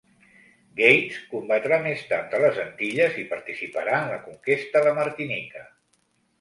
Gates combatrà més tard a les Antilles i participarà en la conquesta de Martinica.